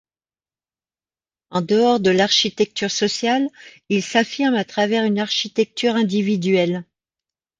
En dehors de l’architecture sociale, il s’affirme à travers une architecture individuelle.